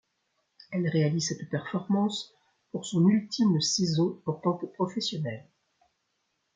Elle réalise cette performance pour son ultime saison en tant que professionnelle.